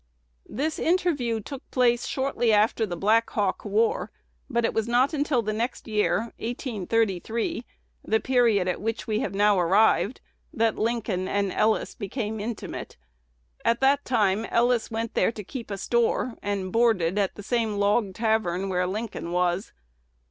This interview took place shortly after the Black Hawk War; but it was not until the next year (1833), the period at which we have now arrived, that Lincoln and Ellis became "intimate." At that time Ellis went there to keep a store, and boarded "at the same log tavern" where Lincoln was.